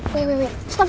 tunggu tunggu tunggu